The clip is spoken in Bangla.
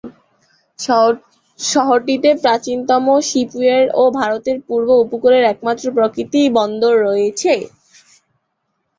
শহরটিতে প্রাচীনতম শিপইয়ার্ড ও ভারতের পূর্ব উপকূলের একমাত্র প্রাকৃতিক বন্দর রয়েছে।